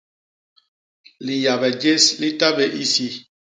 Liyabe jés li ta bé isi.